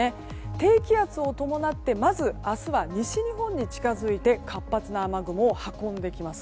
低気圧を伴ってまず、明日は西日本に近づいて活発な雨雲を運んできます。